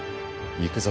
行くぞ！